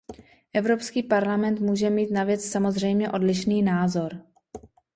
Evropský parlament může mít na věc samozřejmě odlišný názor.